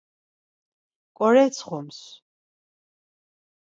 Ǩoretsxums.